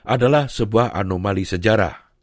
adalah sebuah anomali sejarah